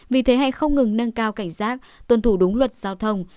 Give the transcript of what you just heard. vì thế hãy không ngừng nâng cao cảnh giác tuân thủ đúng luật giao thông